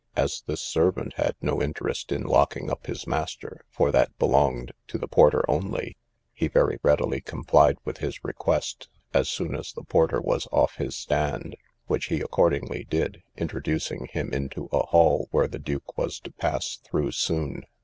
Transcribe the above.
As this servant had no interest in locking up his master, for that belonged to the porter only, he very readily complied with his request, as soon as the porter was off his stand; which he accordingly did, introducing him into a hall, where the duke was to pass through soon.